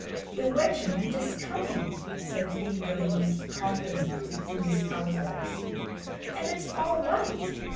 'The wegiment is coming,' said Wee Willie Winkie confidently to Miss Allardyce, 'and it's all wight.